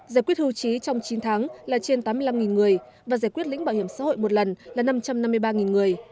giải quyết hưu trí trong chín tháng là trên tám mươi năm người và giải quyết lĩnh bảo hiểm xã hội một lần là năm trăm năm mươi ba người